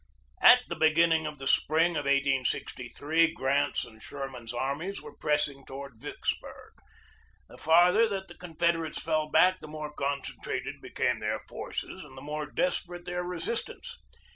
At the beginning of the spring of 1863 Grant's and Sherman's armies were pressing toward Vicksburg. The farther that the Confederates fell back the more concentrated became their forces and the more des perate their resistance.